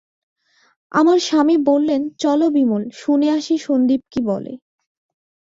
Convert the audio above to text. আমার স্বামী বললেন, চলো বিমল, শুনে আসি সন্দীপ কী বলে।